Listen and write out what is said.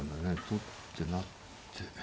取って成って。